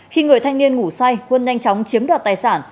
khi người thanh niên ngủ say quân nhanh chóng chiếm đoạt tài sản